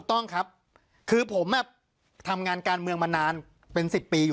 ต้องครับคือผมทำงานการเมืองมานานเป็น๑๐ปีอยู่